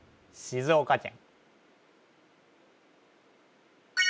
静岡県